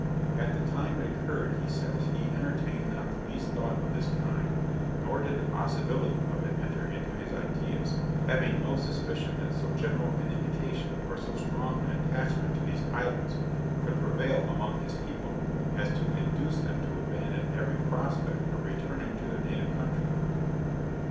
At the time it occurred, he says, he entertained not the least thought of this kind, nor did the possibility of it enter into his ideas, having no suspicion that so general an indication, or so strong an attachment to these islands, could prevail among his people, as to induce them to abandon every prospect of returning to their native country.